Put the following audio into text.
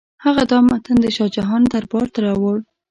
هغه دا متن د شاه جهان دربار ته راوړ.